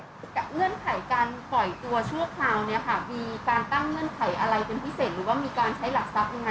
กับเงื่อนไขการปล่อยตัวชั่วคราวนี้ค่ะ